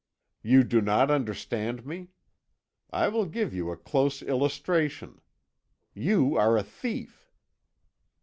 You do not understand me? I will give you a close illustration. You are a thief."